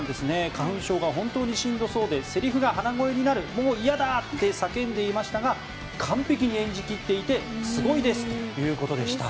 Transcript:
花粉症が本当にしんどそうでセリフが鼻声になるもう嫌だ！って叫んでいましたが完璧に演じきっていてすごいですということでした。